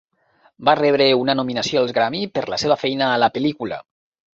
Va rebre una nominació al Grammy per la seva feina a la pel·lícula.